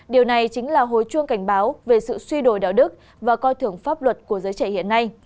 điều này chính là hồi chuông cảnh báo về sự suy đổi đạo đức và coi thưởng pháp luật của giới trẻ hiện nay